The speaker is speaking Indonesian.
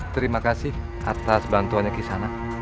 terima kasih atas bantuannya kisana